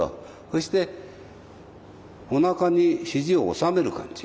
そしておなかに肘を納める感じ。